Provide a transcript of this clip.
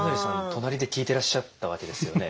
隣で聞いてらっしゃったわけですよね。